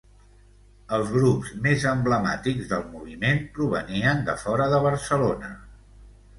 Els grups més emblemàtics del moviment provenien de fora de Barcelona.